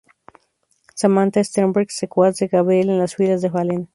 Samantha Sternberg: Secuaz de Gabriel en las filas de Fallen.